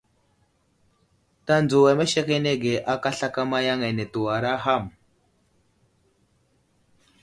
Tanzo amesekenege aka slakama yaŋ ane tewara ham.